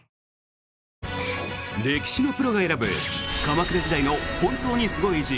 歴史のプロが選ぶ鎌倉時代の本当にすごい偉人